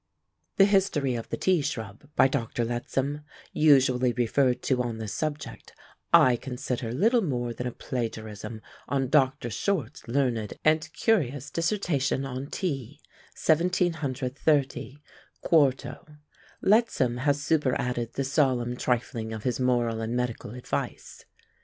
" The history of the Tea shrub, by Dr. Lettsom, usually referred to on this subject, I consider little more than a plagiarism on Dr. Short's learned and curious dissertation on Tea, 1730, 4to. Lettsom has superadded the solemn trifling of his moral and medical advice.